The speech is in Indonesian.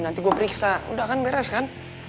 nanti gue periksa udah akan beres kan